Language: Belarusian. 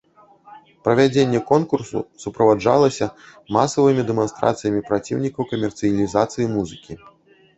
Правядзенне конкурсу суправаджалася масавымі дэманстрацыямі праціўнікаў камерцыялізацыі музыкі.